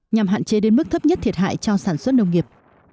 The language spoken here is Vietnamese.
nhằm hạn chế đến mức thấp nhất thiệt hại cho sản xuất nông nghiệp